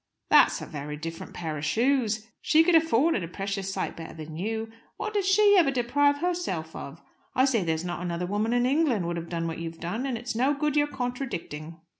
"That's a very different pair of shoes. She could afford it a precious sight better than you. What did she ever deprive herself of? I say there's not another woman in England would have done what you've done, and it's no good your contradicting."